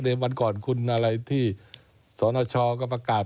ในวันก่อนคุณที่สนชก็ประกาศ